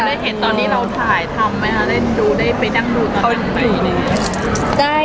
แล้วได้เห็นตอนที่เราถ่ายทำไหมคะได้ดูได้ไปนั่งดูเท่านั้นไหม